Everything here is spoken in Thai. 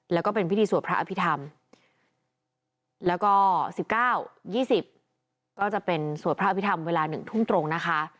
แล้วก็เป็นพิธีสวดพระอภิษฐำแล้วก็สิบเก้ายี่สิบก็จะเป็นสวดพระอภิษฐำเวลาหนึ่งทุ่งตรงนะคะ